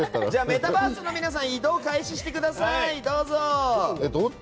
メタバースの皆さん移動を開始してください！